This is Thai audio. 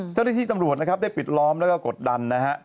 เจ้าที่ที่ตำรวจได้ปิดล้อมแล้วก็กดดัน